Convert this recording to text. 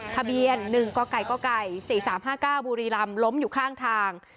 ทะเบียน๑กก๔๓๕๙บุรีรำล้มอยู่ข้างทาง